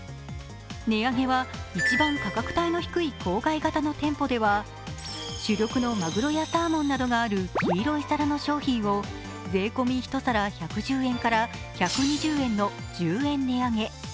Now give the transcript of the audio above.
値上げは一番価格帯の低い郊外型の店舗では主力のまぐろやサーモンなどがある黄色い皿の商品を税込み１皿１１０円から１２０円の１０円値上げ。